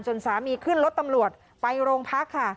สามีขึ้นรถตำรวจไปโรงพักค่ะ